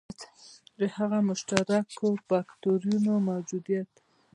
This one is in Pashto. د هغو مشترکو فکټورونو موجودیت.